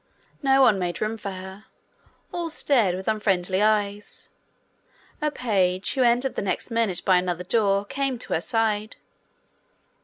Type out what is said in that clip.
No one made room for her; all stared with unfriendly eyes. A page, who entered the next minute by another door, came to her side.